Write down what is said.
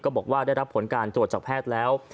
บอกว่าได้รับผลการตรวจจากแพทย์แล้ว